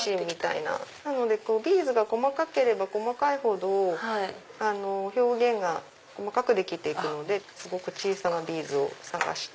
なのでビーズが細かければ細かいほど表現が細かくできて行くのですごく小さなビーズを探して。